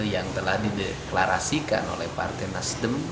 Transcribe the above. yang telah dideklarasikan oleh partai nasdem